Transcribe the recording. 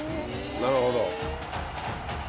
なるほど。